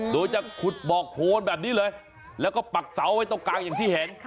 โดยจะขุดบอกโคนแบบนี้เลยแล้วก็ปักเสาไว้ตรงกลางอย่างที่เห็น